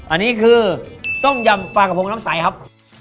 อันนี้คือต้มยำปลากระพงน้ำใสครับ